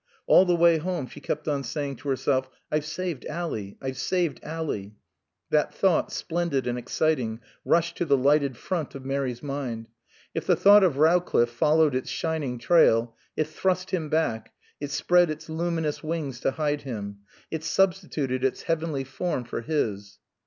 All the way home she kept on saying to herself, "I've saved Ally." "I've saved Ally." That thought, splendid and exciting, rushed to the lighted front of Mary's mind; if the thought of Rowcliffe followed its shining trail, it thrust him back, it spread its luminous wings to hide him, it substituted its heavenly form for his.